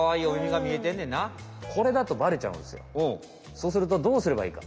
そうするとどうすればいいか？